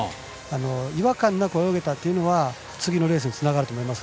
違和感なく泳げたというのは次のレースにつながると思います。